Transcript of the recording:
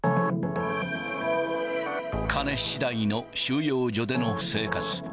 金しだいの収容所での生活。